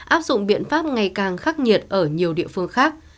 áp dụng biện pháp ngày càng khắc nghiệt ở nhiều địa phương khác